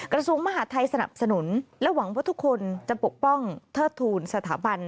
กระทรวงมหาทัยสนับสนุนและหวังว่าทุกคนจะปกป้องเทิดทูลสถาบัน